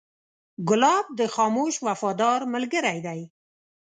ګلاب د خاموش وفادار ملګری دی.